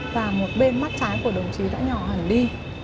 và một bên mắt trái của đồng chí đã nhỏ hẳn đi